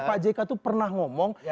pak jk itu pernah ngomong